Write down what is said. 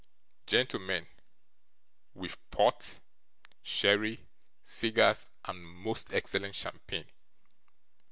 Gentlemen, we've port, sherry, cigars, and most excellent champagne.